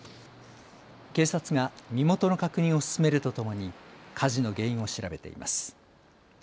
警察が身元の確認を進めるとともに火事の原因を調べています。